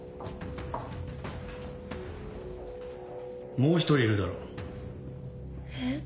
もう１人いるだろ？え？